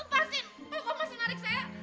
lepaskan kok masih menarik saya